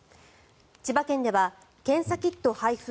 千葉県では検査キット配布